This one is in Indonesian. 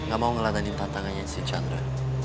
gak mau ngeliatin tantangannya si chandra